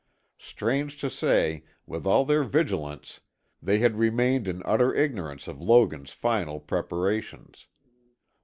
Strange to say, with all their vigilance, they had remained in utter ignorance of Logan's final preparations.